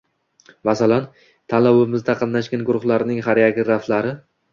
Masalan, tanlovimizda qatnashgan guruhlarning xoreograflari.